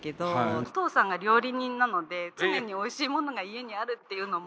お父さんが料理人なので常においしいものが家にあるっていうのも。